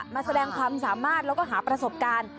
มาแสดงความสามารถแล้วก็หาประสบการณ์